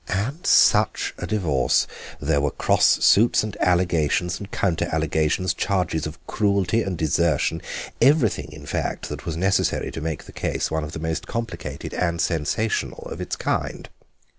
And such a divorce! There were cross suits and allegations and counter allegations, charges of cruelty and desertion, everything in fact that was necessary to make the case one of the most complicated and sensational of its kind.